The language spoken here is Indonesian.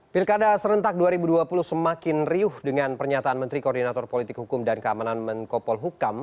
pilkada serentak dua ribu dua puluh semakin riuh dengan pernyataan menteri koordinator politik hukum dan keamanan menkopol hukam